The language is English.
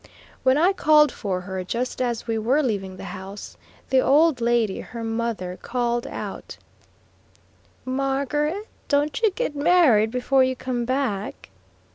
When I called for her, just as we were leaving the house, the old lady, her mother, called out: "Margaret, don't you get married before you come back."